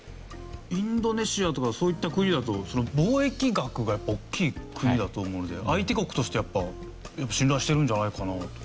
インドネシアとかそういった国だと貿易額が大きい国だと思うので相手国としてやっぱ信頼してるんじゃないかなと。